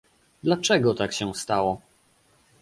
Dlaczego tak się stało?